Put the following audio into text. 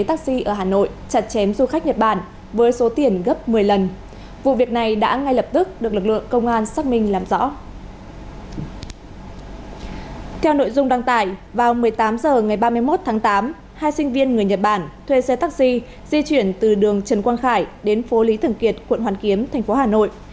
theo nội dung đăng tải vào một mươi tám h ngày ba mươi một tháng tám hai sinh viên người nhật bản thuê xe taxi di chuyển từ đường trần quang khải đến phố lý thường kiệt quận hoàn kiếm thành phố hà nội